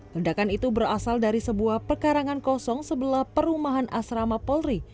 ledakan itu berasal dari sebuah perkarangan kosong sebelah perumahan asrama polri